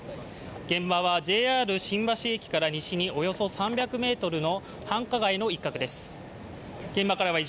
現場はＪＲ新橋駅から西におよそ３００ｍの繁華街の一角です。